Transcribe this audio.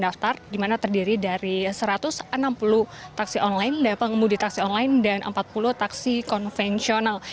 daftar dimana terdiri dari satu ratus enam puluh taksi online pengemudi taksi online dan empat puluh taksi konvensional